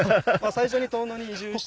最初に遠野に移住してきて。